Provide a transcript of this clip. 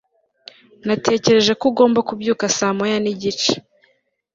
natekereje ko ugomba kubyuka saa moya nigice